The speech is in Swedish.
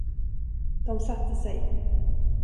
De satte sig.